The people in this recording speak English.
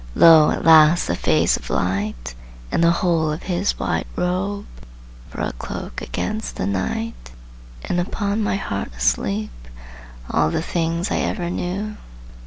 Lo, at last the face of light! And the whole of His white robe For a cloak against the night! And upon my heart asleep All the things I ever knew!